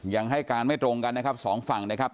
ยังให้การไม่ตรงกันนะครับสองฝั่งนะครับ